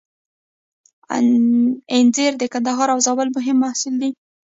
انځر د کندهار او زابل مهم محصول دی